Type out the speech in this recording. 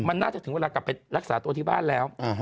มันน่าจะถึงเวลากลับไปรักษาตัวที่บ้านแล้ว